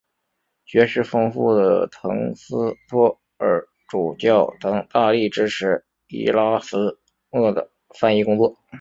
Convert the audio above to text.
学识丰富的滕斯托尔主教曾大力支持伊拉斯谟的翻译工作。